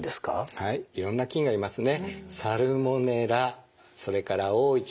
はいいろんな菌がいますね。